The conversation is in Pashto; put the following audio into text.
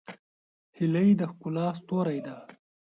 هیلۍ د ښکلا ستوری ده